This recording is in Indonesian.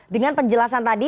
dengan penjelasan tadi